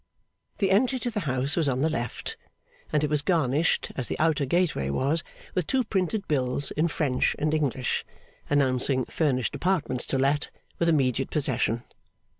The entry to the house was on the left, and it was garnished as the outer gateway was, with two printed bills in French and English, announcing Furnished Apartments to let, with immediate possession.